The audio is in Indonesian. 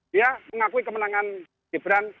dia mengakui kemenangan gibran